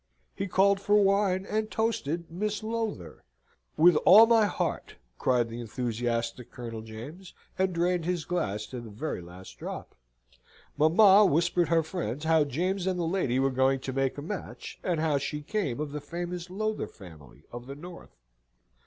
He called for wine, and toasted "Miss Lowther." "With all my heart," cried the enthusiastic Colonel James, and drained his glass to the very last drop. Mamma whispered her friend how James and the lady were going to make a match, and how she came of the famous Lowther family of the North.